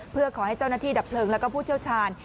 เพื่อขอให้เจ้าหน้าที่ดับเพลิงแล้วก็ผู้เชี่ยวชาญ